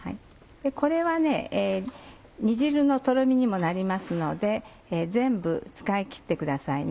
これは煮汁のトロミにもなりますので全部使い切ってくださいね。